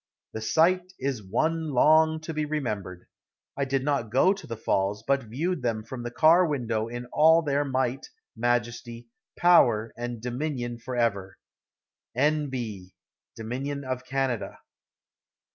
The sight is one long to be remembered. I did not go to the falls, but viewed them from the car window in all their might, majesty, power and dominion forever. N. B. Dominion of Canada.